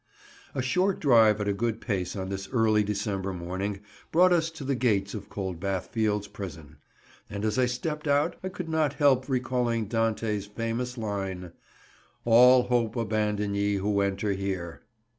A short drive at a good pace on this early December morning brought us to the gates of Coldbath Fields Prison; and as I stepped out, I could not help recalling Dante's famous line— "All hope abandon ye who enter here."